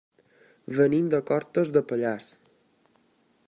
Venim de Cortes de Pallars.